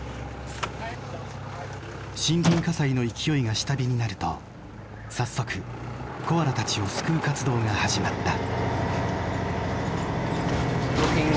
森林火災の勢いが下火になると早速コアラたちを救う活動が始まった。